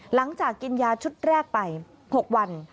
หลังจากกินยาชุดแรกไป๖วัน